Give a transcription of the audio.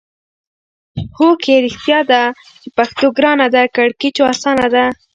هو کې! رښتیا ده چې پښتو ګرانه ده کیړکیچو اسانه ده.